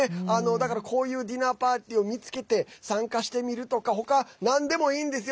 だからこういうディナーパーティーを見つけて、参加してみるとか他、なんでもいいんですよ。